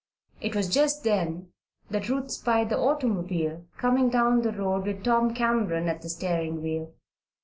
It was just then that Ruth spied the automobile coming down the road with Tom Cameron at the steering wheel.